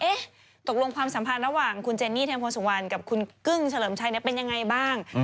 ตกลงความสัมพันธ์ระหว่างคุณเจนนี่เทมพลสุวรรณกับคุณกึ้งเฉลิมชัยเป็นยังไงบ้าง